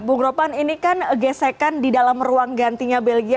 bung ropan ini kan gesekan di dalam ruang gantinya belgia